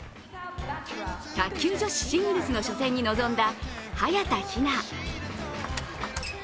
卓球女子シングルスの初戦に臨んだ早田ひな。